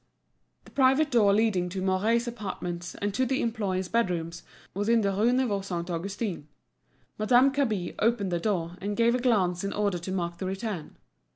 The private door leading to Mouret's apartments and to the employees' bedrooms was in the Rue Neuve Saint Augustin. Madame Cabin opened the door and gave a glance in order to mark the return.